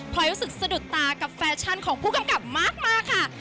พอยรู้สึกสะดุดตากับแฟชั่นของผู้กำกับมากค่ะ